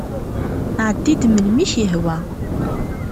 Ɛeddi-d melmi i ak-yehwa.